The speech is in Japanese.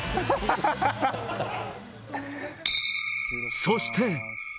そして。